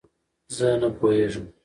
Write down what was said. زه نه پوهېږم